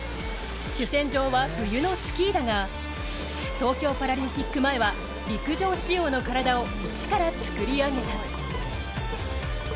主戦場は冬のスキーだが東京パラリンピック前は陸上仕様の体をイチから作り上げた。